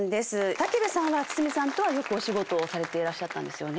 武部さんは筒美さんとはよくお仕事をされていらっしゃったんですよね？